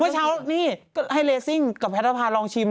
เมื่อเช้านี่ก็ให้เลซิ่งกับแพทย์ภาลองชิม